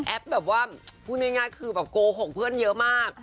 แบบว่าพูดง่ายคือแบบโกหกเพื่อนเยอะมาก